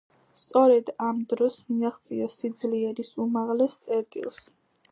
სწორედ ამ დროს მიაღწია სიძლიერის უმაღლეს წერტილს.